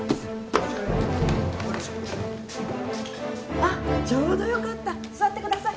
あっちょうどよかった座ってください